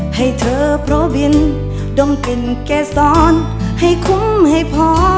ให้เธอเพราะบินดมกลิ่นเกษรให้คุ้มให้พอ